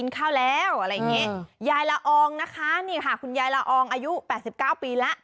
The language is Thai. ยายละอองนะคะนี่ค่ะคุณยายละอองอายุ๘๙ปีแล้ว